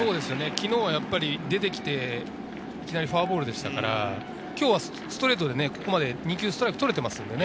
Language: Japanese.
昨日は出てきていきなりフォアボールでしたから今日はストレートでここまでストライクが取れていますよね。